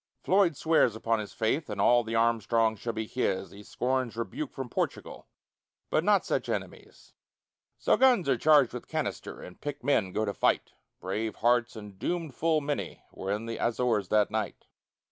Floyd swears upon his faith and all The Armstrong shall be his; He scorns rebuke from Portugal, But not such enemies; So guns are charged with canister And picked men go to fight: Brave hearts and doomed full many were In the Azores that night.